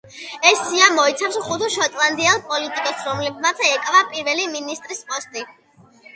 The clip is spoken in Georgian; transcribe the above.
ეს სია მოიცავს ხუთ შოტლანდიელ პოლიტიკოსს, რომლებსაც ეკავა პირველი მინისტრის პოსტი.